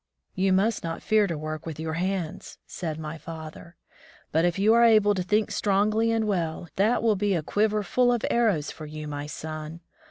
"You must not fear to work with your hands," said my father, "but if you are able to think strongly and well, that will be a quiver full of arrows for you, my son.